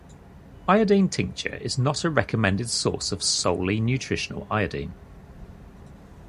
Iodine tincture is not a recommended source of solely-nutritional iodine.